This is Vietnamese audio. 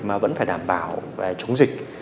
mà vẫn phải đảm bảo về chống dịch